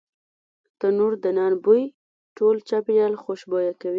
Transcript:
تنوردنان بوی ټول چاپیریال خوشبویه کوي.